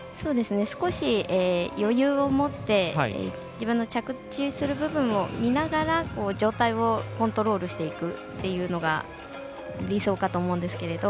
少し余裕を持って自分の着地する部分を見ながら上体をコントロールしていくというのが理想かと思うんですけれど。